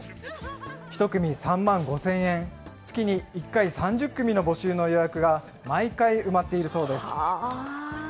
１組３万５０００円、月に１回３０組の募集の予約が毎回埋まっているそうです。